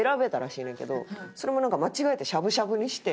それもなんか間違えてしゃぶしゃぶにして。